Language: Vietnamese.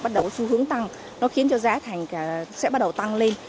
bắt đầu xu hướng tăng nó khiến cho giá thành sẽ bắt đầu tăng lên